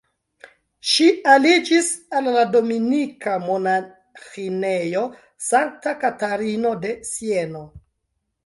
Ŝi aliĝis al la Dominika monaĥinejo Sankta Katarino de Sieno.